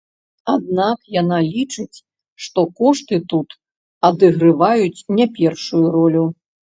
Аднак яна лічыць, што кошты тут адыгрываюць не першую ролю.